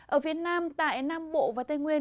ở việt nam tại nam bộ và tây nguyên